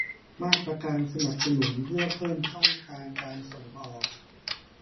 มาตรการสนับสนุนเพื่อเพิ่มช่องทางการส่งออก